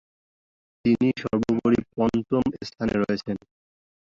তিনি সর্বোপরি পঞ্চম স্থানে রয়েছেন।